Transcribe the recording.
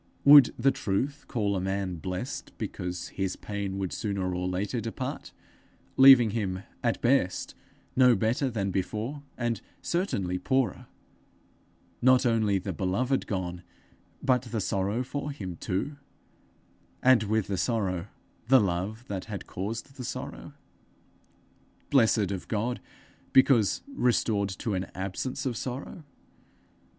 Would The Truth call a man blessed because his pain would sooner or later depart, leaving him at best no better than before, and certainly poorer not only the beloved gone, but the sorrow for him too, and with the sorrow the love that had caused the sorrow? Blessed of God because restored to an absence of sorrow?